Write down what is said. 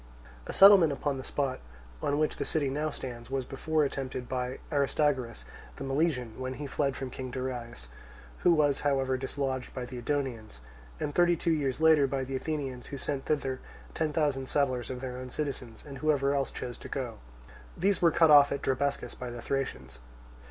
A settlement upon the spot on which the city now stands was before attempted by Aristagoras, the Milesian (when he fled from King Darius), who was however dislodged by the Edonians; and thirty two years later by the Athenians, who sent thither ten thousand settlers of their own citizens, and whoever else chose to go. These were cut off at Drabescus by the Thracians.